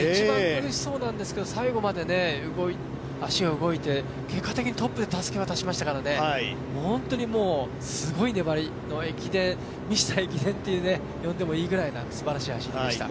苦しそうなんですけど最後まで足は動いて、結果的にトップでたすきを渡しましたから、本当にすごい粘り、ミスター駅伝と呼んでもいいくらいなすばらしい走りでした。